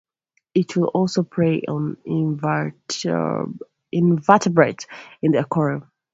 It will also prey on invertebrates in the aquarium.